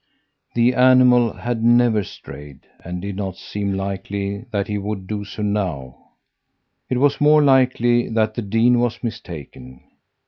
The animal had never strayed, and it did not seem likely that he would do so now. It was more likely that the dean was mistaken.